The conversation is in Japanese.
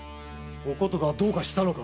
お琴がどうかしたのか？